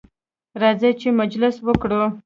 راځئ چې مجلس وکړو.